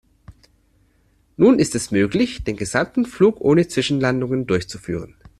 Nun ist es möglich, den gesamten Flug ohne Zwischenlandungen durchzuführen.